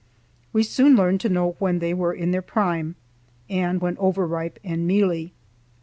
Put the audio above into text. We soon learned to know when they were in their prime, and when over ripe and mealy.